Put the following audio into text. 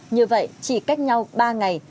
như vậy chỉ cách nhau ba ngày